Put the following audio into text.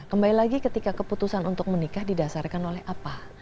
kembali lagi ketika keputusan untuk menikah didasarkan oleh apa